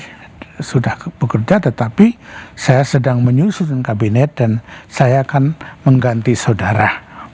saya sudah bekerja tetapi saya sedang menyusun kabinet dan saya akan mengganti saudara